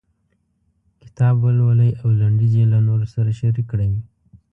کتاب ولولئ او لنډيز یې له نورو سره شريک کړئ.